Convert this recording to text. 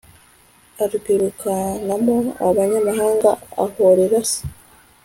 arwirukanamo abanyamahanga, ahorera se